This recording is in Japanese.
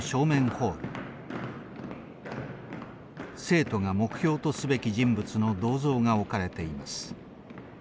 生徒が目標とすべき人物の銅像が置かれています。